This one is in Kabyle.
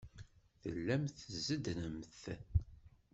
Tellamt tzeddremt.